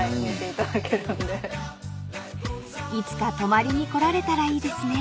［いつか泊まりに来られたらいいですね］